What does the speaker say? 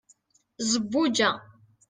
zebbuǧa